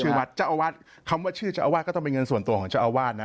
วัดเจ้าอาวาสคำว่าชื่อเจ้าอาวาสก็ต้องเป็นเงินส่วนตัวของเจ้าอาวาสนะ